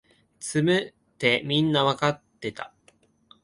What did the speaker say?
詰むってみんなわかってた